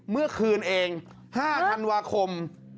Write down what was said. เมื่อคืนเอง๕ธันวาคม